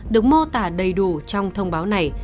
được mô tả đầy đủ trong thông báo này